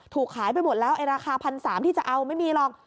ขายไปหมดแล้วไอ้ราคา๑๓๐๐บาทที่จะเอาไม่มีหรอก